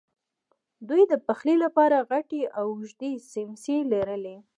دوی د پخلی لپاره غټې او اوږدې څیمڅۍ لرلې.